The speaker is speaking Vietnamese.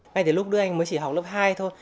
ngay từ lúc đưa anh mới chỉ học lớp hai thôi